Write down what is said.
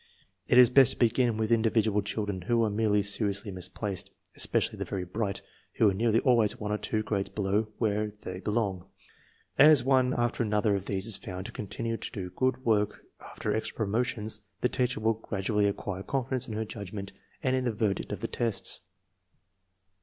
It is best to begin with individual children who are most seriously misplaced, especially the very bright, who are nearly always one or two grades below where they belong. As one after another of these is found to continue to do good work after extra promotions, the teacher will gradually acquire confidence in her judgment and in the verdict of the tests.